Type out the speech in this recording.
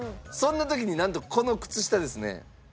そんな時になんとこの靴下ですね